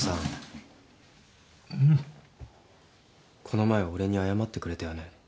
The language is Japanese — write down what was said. この前俺に謝ってくれたよね。